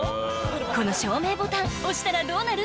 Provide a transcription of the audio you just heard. この照明ボタン押したらどうなる！？